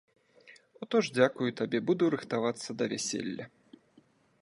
О то ж дзякую табе, буду рыхтавацца да вяселля.